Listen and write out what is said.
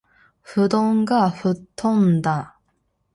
布団が吹っ飛んだあ